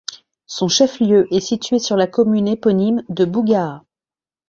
Son chef-lieu est situé sur la commune éponyme de Bougaa.